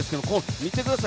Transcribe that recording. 見てください